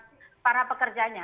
dan nasib para pekerjanya